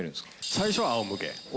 最初はあおむけ。